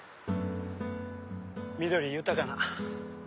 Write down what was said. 緑豊かな。